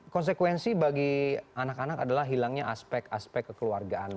konsekuensi bagi anak anak adalah hilangnya aspek aspek kekeluargaan